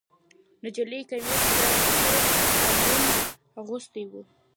نجلۍ کمیس د سور الوان اغوستی